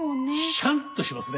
シャンとしますね。